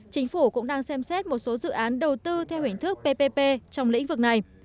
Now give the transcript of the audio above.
chính phủ cũng đang xem xét một số dự án đầu tư theo hình thức ppp trong lĩnh vực này